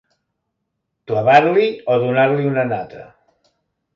Clavar-li o donar-li una nata.